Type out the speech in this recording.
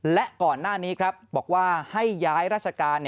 และก่อนหน้านี้ครับบอกว่าให้ย้ายราชการ